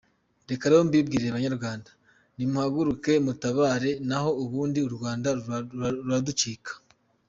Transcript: Reka rero mbibwirire banyarwanda, nimuhaguruke mutabare naho ubundi u Rwanda ruraducika.